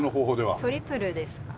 今トリプルですかね。